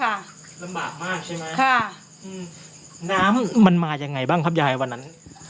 ลำบากมากใช่ไหมค่ะอืมน้ำมันมายังไงบ้างครับยายวันนั้น